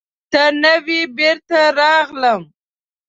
ته نه وې، بېرته راغلم.